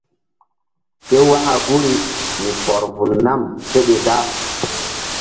Ké waka guri mi pɔr vul nam seɗe da.